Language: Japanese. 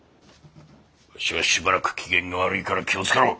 わしはしばらく機嫌が悪いから気を付けろ。